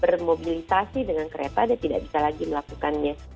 bermobilisasi dengan kereta dia tidak bisa lagi melakukannya